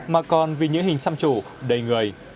mà còn vì những hình xăm trổ đầy người